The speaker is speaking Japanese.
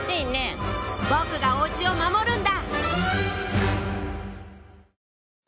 「僕がお家を守るんだ！」